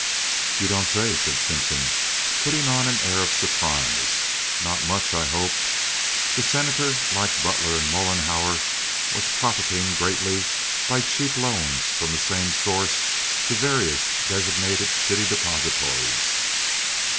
"You don't say!" said Simpson, putting on an air of surprise. "Not much, I hope?" The Senator, like Butler and Mollenhauer, was profiting greatly by cheap loans from the same source to various designated city depositories.